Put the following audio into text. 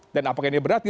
dan apakah ini berarti